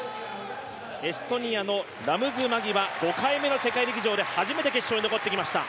エストニアのラムズ・マギは５回目の世界陸上で初めて決勝に残ってきました。